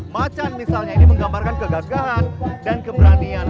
macan misalnya ini menggambarkan kegagalan dan keberanian